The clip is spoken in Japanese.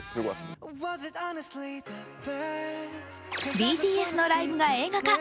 ＢＴＳのライブが映画化。